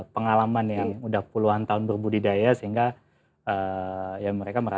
pengalaman yang udah puluhan tahun berbudidaya sehingga ya mereka